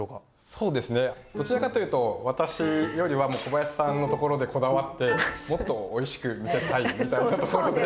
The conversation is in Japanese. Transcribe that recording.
そうですねどちらかというと私よりはもう小林さんのところでこだわってもっとおいしく見せたいみたいなところで。